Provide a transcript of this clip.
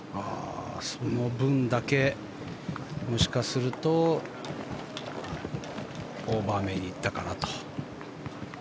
その分だけ、もしかするとオーバーめに行ったかなと。